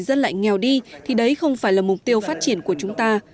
dân lại nghèo đi thì đấy không phải là mục tiêu phát triển của chúng ta